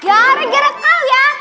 gara gara kau ya